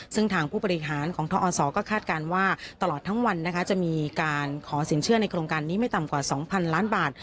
ซึ่งทางผู้บริหารของทอศก็คาดการณ์ว่าตลอดทั้งวันนะคะจะมีการขอสินเชื่อในโครงการนี้ไม่ต่ำกว่า๒๐๐๐ล้านบาท